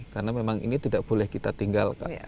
karena memang ini tidak boleh kita tinggalkan